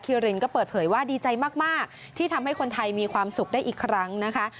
รินก็เปิดเผยว่าดีใจมากที่ทำให้คนไทยมีความสุขได้อีกครั้งนะคะ